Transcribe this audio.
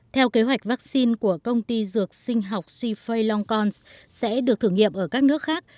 theo kế hoạch vaccine của công ty dược sinh hỏng sifay longkorn sẽ được thử nghiệm ở các nước khác